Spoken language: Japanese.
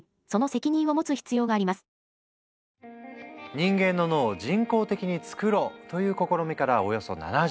人間の脳を人工的に作ろうという試みからおよそ７０年。